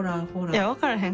いや分からへん。